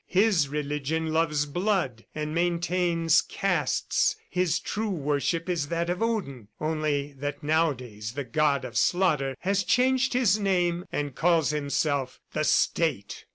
His religion loves blood and maintains castes; his true worship is that of Odin; only that nowadays, the god of slaughter has changed his name and calls himself, 'The State'!"